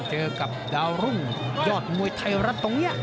เจอกับดาวรุ่งยอดมวยไทยรัฐตรงนี้